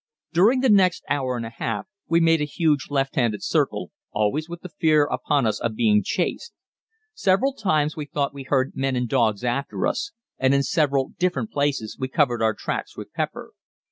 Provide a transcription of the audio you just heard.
During the next hour and a half we made a huge left handed circle, always with the fear upon us of being chased. Several times we thought we heard men and dogs after us, and in several different places we covered our tracks with pepper.